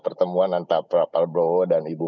pertemuan antara pak prabowo dan ibu